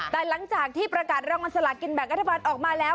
แต่หลังจากที่ประกาศรางวัลสลากินแบ่งรัฐบาลออกมาแล้ว